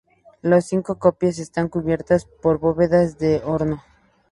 Las cinco capillas están cubiertas por bóvedas de horno.